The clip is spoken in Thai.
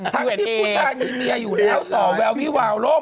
ทั้งที่ผู้ชายมีเมียอยู่แล้วส่อแวววิวาวโลก